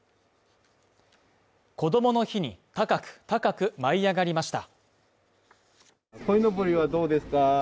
こどもの日に高く高く舞い上がりました。